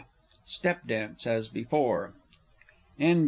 [Step dance as before. [N.